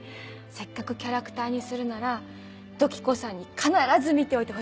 せっかくキャラクターにするなら土器子さんに必ず見ておいてほしくて。